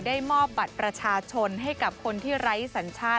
ได้มอบบัตรประชาชนให้กับคนที่ไร้สัญชาติ